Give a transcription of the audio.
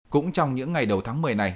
cũng trong những ngày đầu tháng một mươi này